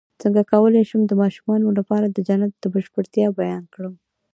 څنګه کولی شم د ماشومانو لپاره د جنت د بشپړتیا بیان کړم